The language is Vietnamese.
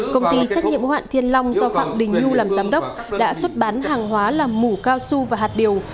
công ty trách nhiệm ngũ hạn thiên long do phạm đình nhu làm giám đốc đã xuất bán hàng hóa làm mũ cao su và hạt điều